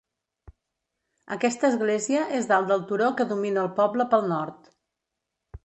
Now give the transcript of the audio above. Aquesta església és dalt del turó que domina el poble pel nord.